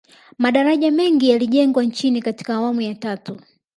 madaraja mengi yalijengwa nchini katika awamu ya tatu